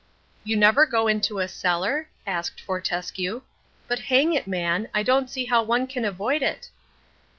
"You never go into a cellar?" asked Fortescue. "But hang it, man, I don't see how one can avoid it!"